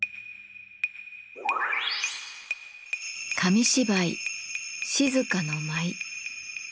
紙芝居「静の舞」。